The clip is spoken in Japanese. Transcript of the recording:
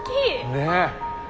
ねえ！